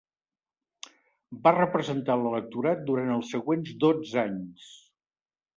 Va representar l'electorat durant els següents dotze anys.